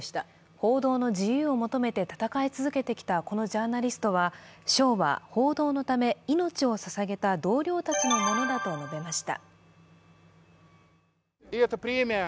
報道の自由を求めて戦い続けてきたこのジャーナリストは賞は報道のため命をささげた同僚たちのためだと述べました。